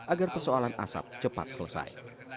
agar persoalan asap cepat selesai